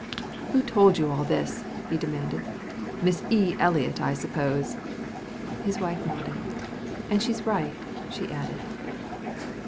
"Who told you all this?" he demanded. "Miss E. Eliot, I suppose." His wife nodded. "And she's right," she added.